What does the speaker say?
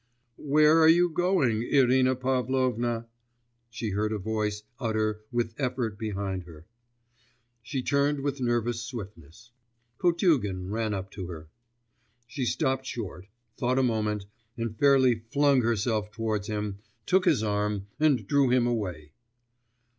'Where are you going, Irina Pavlovna?' she heard a voice utter with effort behind her. She turned with nervous swiftness.... Potugin ran up to her. She stopped short, thought a moment, and fairly flung herself towards him, took his arm, and drew him away.